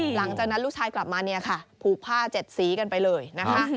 หลังจากนั้นลูกชายกลับมาเนี่ยค่ะผูกผ้าเจ็ดสีกันไปเลยนะคะ